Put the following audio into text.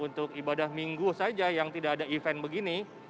untuk ibadah minggu saja yang tidak ada event begini